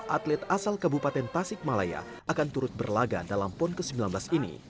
dua puluh dua atlet asal kabupaten tasikmalaya akan turut berlaga dalam pon ke sembilan belas ini